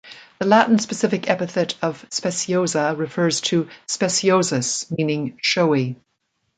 The Latin specific epithet of "speciosa" refers to "speciosus" meaning showy.